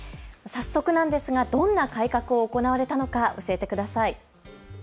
早速なんですが、どんな改革を行われたのか教えてください。